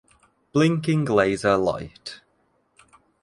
Blinking laser light.